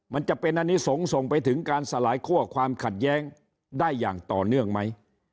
มันจะเป็นอันนี้ส่งไปถึงการสลายคั่วความขัดแย้งได้อย่างต่อเนื่องไหม